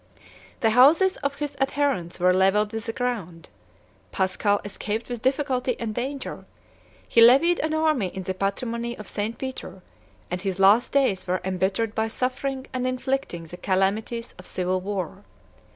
The houses of his adherents were levelled with the ground: Paschal escaped with difficulty and danger; he levied an army in the patrimony of St. Peter; and his last days were embittered by suffering and inflicting the calamities of civil war.